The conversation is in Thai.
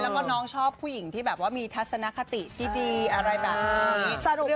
แล้วก็น้องชอบผู้หญิงที่แบบว่ามีทัศนคติที่ดีอะไรแบบนี้